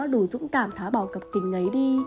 đủ dũng cảm thả bỏ cặp kính ấy đi